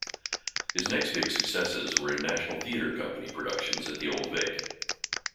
His next big successes were in National Theatre Comnpany productions at the Old Vic.